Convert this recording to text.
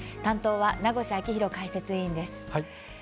担当は、名越章浩解説委員です。